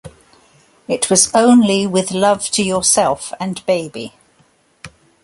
It was only With love to yourself and baby.